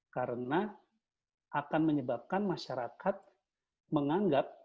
karena akan menyebabkan masyarakat menganggap